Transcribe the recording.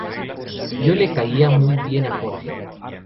Yo le caía muy bien a Jorge.